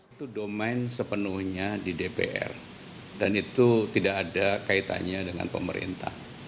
itu domain sepenuhnya di dpr dan itu tidak ada kaitannya dengan pemerintah